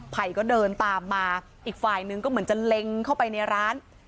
ไผ่ก็เดินตามมาอีกฝ่ายนึงก็เหมือนจะเล็งเข้าไปในร้าน